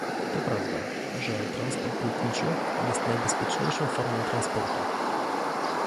To prawda, że transport lotniczy jest najbezpieczniejszą formą transportu